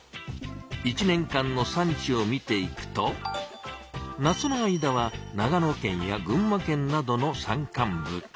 １年間の産地を見ていくと夏の間は長野県や群馬県などの山間部。